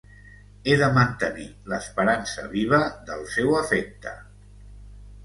He de mantenir l'esperança viva del seu afecte.